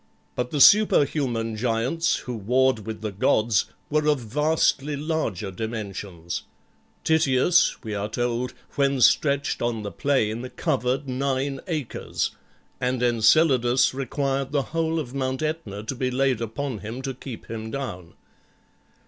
But the superhuman giants, who warred with the gods, were of vastly larger dimensions. Tityus, we are told, when stretched on the plain, covered nine acres, and Enceladus required the whole of Mount Aetna to be laid upon him to keep him down.